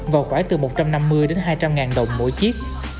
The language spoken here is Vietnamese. vào khoảng từ một trăm năm mươi đến hai trăm linh ngàn đồng mỗi chiếc